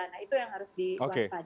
nah itu yang harus diwaspadai